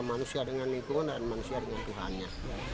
manusia dengan lingkungan dan manusia dengan tuhannya